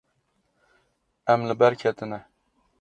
Em li ber ketine.